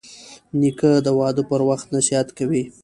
نیکه د واده پر وخت نصیحت کوي.